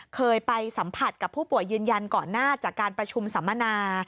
เคยไปสัมผัสกับผู้ป่วยยืนยันก่อนหน้าจากการประชุมสัมมนา